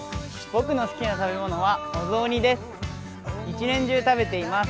僕の好きな食べ物はお雑煮です。